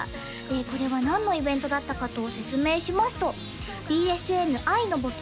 これは何のイベントだったかと説明しますとＢＳＮ愛の募金